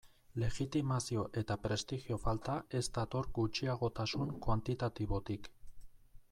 Legitimazio eta prestigio falta ez dator gutxiagotasun kuantitatibotik.